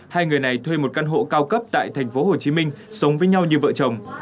hai người này thuê một căn hộ cao cấp tại thành phố hồ chí minh sống với nhau như vợ chồng